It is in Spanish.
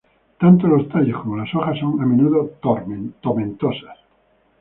Tanto los tallos como las hojas son a menudo tomentosas.